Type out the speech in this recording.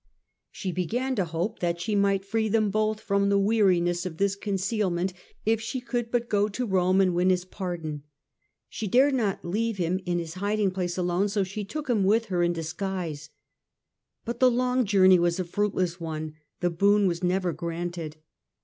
She began to hope that she might free them both from the weariness of this concealment if she could but go to Rome and win his pardon. She dared not leave him in his hiding place alone, so she took him with her in disguise. But the long journey was a fruitless one the boon was never granted.